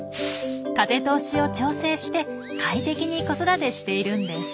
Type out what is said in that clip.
風通しを調整して快適に子育てしているんです。